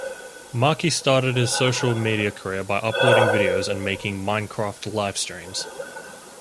Marki started his social media career by uploading videos and making "Minecraft" livestreams.